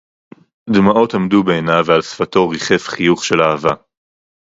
דְּמָעוֹת עָמְדוּ בְּעֵינֶיו וְעַל שְׂפָתֶו רִחֵף חִיּוּךְ שֶׁל אַהֲבָה